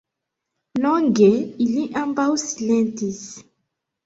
Longe ili ambaŭ silentis.